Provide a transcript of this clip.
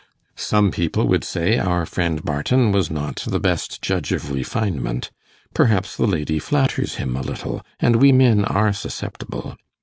'Some people would say our friend Barton was not the best judge of refinement. Perhaps the lady flatters him a little, and we men are susceptible.